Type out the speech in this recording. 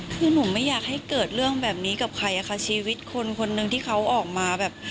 คือหนูไม่อยากให้เกิดเรื่องแบบนี้กับใครอะค่ะชีวิตคนคนหนึ่งที่เขาออกมาแบบ